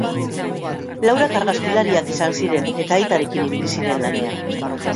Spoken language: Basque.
Laurak argazkilariak izan ziren eta aitarekin ibili ziren lanean.